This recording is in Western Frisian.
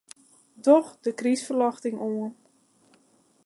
Doch de krystferljochting oan.